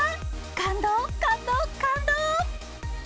感動、感動、感動！